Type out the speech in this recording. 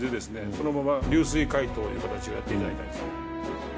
そのまま流水解凍という形をやっていただいて。